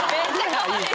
かわいい！